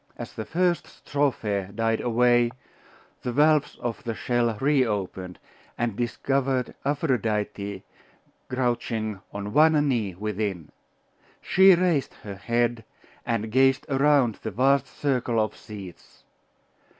As the first strophe died away, the valves of the shell reopened, and discovered Aphrodite crouching on one knee within. She raised her head, and gazed around the vast circle of seats.